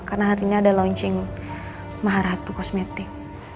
karena hari ini ada launching maharatu kosmetik